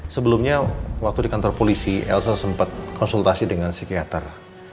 sebelumnya waktu di kantor polisi elsa sempat konsultasi dengan psikiater